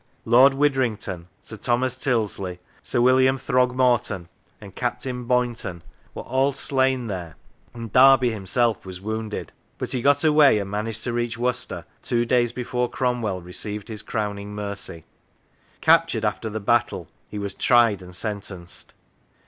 Lord Widdrington, Sir Thomas Tyldesley, Sir William Throgmorton, and Captain Boynton, were all slain there, and Derby himself was wounded, but he got away, and managed to reach Worcester two days before Cromwell received his crowning mercy. Captured after the battle, he was tried and sentenced.